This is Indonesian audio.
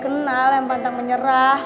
kenal yang pantang menyerah